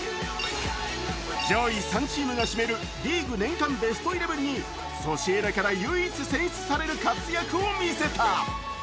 上位３チームが占めるリーグ年間ベストイレブンにソシエダから唯一選出される活躍を見せた。